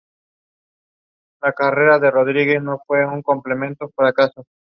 Fue promovido al rango de general durante las Guerras Revolucionarias francesas.